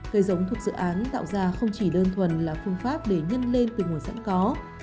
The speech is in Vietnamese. cây giống thuộc dự án tạo ra không chỉ đơn thuần là phương pháp để nhân lên từ nguồn sẵn có